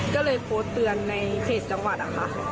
ก็เลยโพสต์เตือนในเขตจังหวัดนะคะ